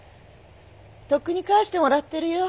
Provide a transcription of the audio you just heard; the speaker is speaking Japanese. とっくに返してもらってるよ。